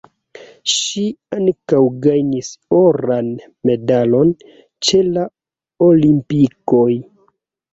Ŝi ankaŭ gajnis oran medalon ĉe la Olimpikoj.